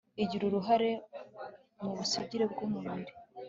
igira uruhare mubusugire bw'umubiri